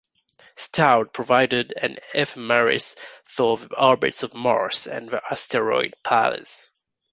Staudt provided an ephemeris for the orbits of Mars and the asteroid Pallas.